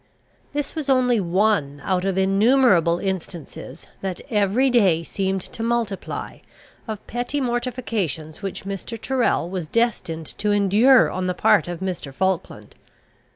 This was only one out of innumerable instances, that every day seemed to multiply, of petty mortifications which Mr. Tyrrel was destined to endure on the part of Mr. Falkland.